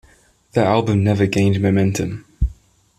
The album never gained momentum.